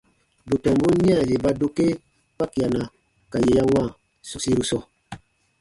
Bù tɔmbun nia yè ba dokee kpakiana ka yè ya wãa sɔ̃ɔsiru sɔɔ.